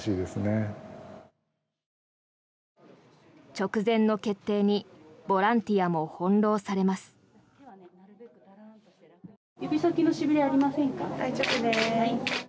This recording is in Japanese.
直前の決定にボランティアも翻ろうされます。